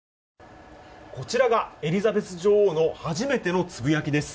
こちらがエリザベス女王の初めてのつぶやきです。